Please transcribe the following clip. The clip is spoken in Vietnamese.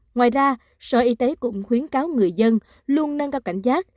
ngoài ra sở y tế cũng khuyến cáo người dân luôn nâng cao cảnh giác